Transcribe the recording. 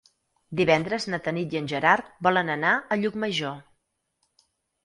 Divendres na Tanit i en Gerard volen anar a Llucmajor.